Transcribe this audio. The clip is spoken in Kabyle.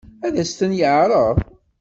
Ad as-ten-yeɛṛeḍ?